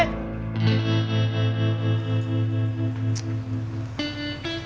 gak mungkin dia kabur